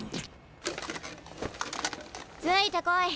ついてこい！